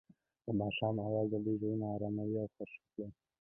د ماښام اواز د دوی زړونه ارامه او خوښ کړل.